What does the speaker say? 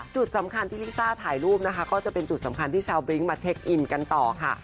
จุดสำคัญที่ลิซ่าถ่ายรูปนะคะก็จะเป็นจุดสำคัญที่ชาวบริ้งมาเช็คอินกันต่อค่ะ